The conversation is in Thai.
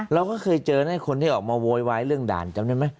เราก็เคยเจอนะคนที่ออกมาโวยวายเรื่องด่านจำได้ไหม